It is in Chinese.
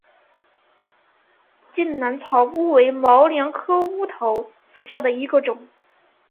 滇南草乌为毛茛科乌头属下的一个种。